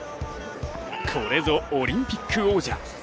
これぞ、オリンピック王者。